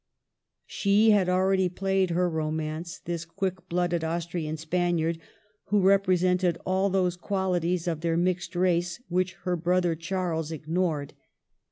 She had already played her romance, this quick blooded Austrian Spaniard, who repre sented all those qualities of their mixed race which her brother Charles ignored.